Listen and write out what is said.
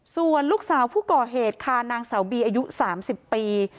ส่วนลูกสาวผู้ก่อเหตุค่ะนางสาวบีอายุ๓๐ปี